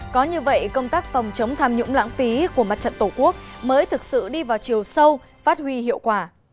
có như vậy công tác phòng chống tham nhũng lãng phí của mặt trận tổ quốc mới thực sự đi vào chiều sâu phát huy hiệu quả